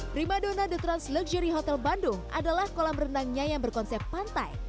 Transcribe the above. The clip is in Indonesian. prima dona the trans luxury hotel bandung adalah kolam renangnya yang berkonsep pantai